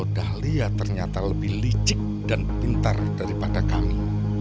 dahlia ternyata lebih licik dan pintar daripada kami